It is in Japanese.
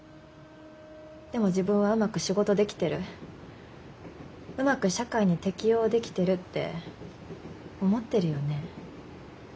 でも自分はうまく仕事できてるうまく社会に適応できてるって思ってるよね。